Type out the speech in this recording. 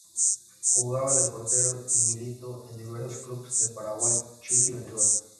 Jugaba de portero y militó en diversos clubes de Paraguay, Chile y Venezuela.